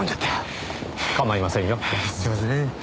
すみません。